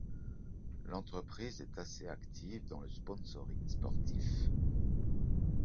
L’entreprise est assez active dans le sponsoring sportif.